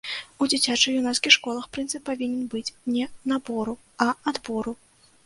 У дзіцяча-юнацкіх школах прынцып павінен быць не набору, а адбору.